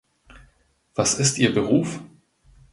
Was ist ihr Beruf?